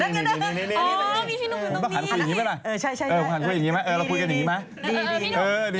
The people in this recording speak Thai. มีพี่น้องปื้นตรงนี้